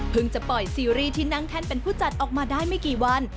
จะปล่อยซีรีส์ที่นั่งแท่นเป็นผู้จัดออกมาได้ไม่กี่วัน